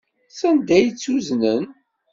Sanda ay tt-uznen?